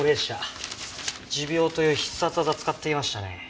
持病という必殺技使ってきましたね。